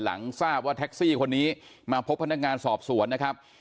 หลังทราบว่าแท็กซี่คนนี้มาพบพนักงานสอบสวนนะครับ